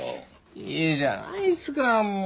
いいじゃないっすかもう。